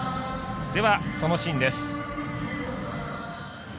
ではそのシーンです。